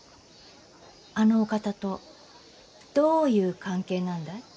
あのお方とどういう関係なんだい？